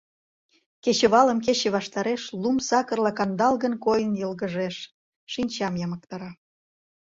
Кечывалым кече ваштареш лум сакырла кандалгын койын йылгыжеш, шинчам йымыктара.